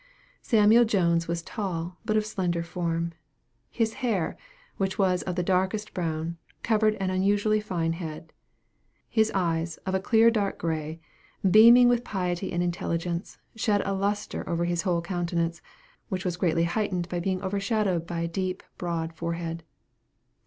Samuel Jones was tall, but of slender form. His hair, which was of the darkest brown, covered an unusually fine head. His eyes, of a clear dark grey, beaming with piety and intelligence, shed a lustre over his whole countenance, which was greatly heightened by being overshadowed by a deep, broad forehead.